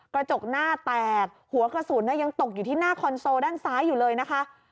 กระจกหน้าแตกหัวกระสุนยังตกอยู่ที่หน้าคอนโซลด้านซ้ายอยู่เลยนะคะ